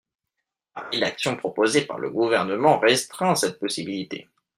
La rédaction proposée par le Gouvernement restreint cette possibilité.